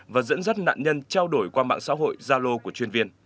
và dẫn dắt nạn nhân trao đổi qua mạng xã hội gia lô của chuyên viên